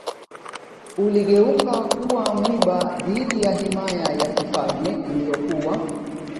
uligeuka kuwa mwiba dhidi ya himaya ya kifalme iliyokuwa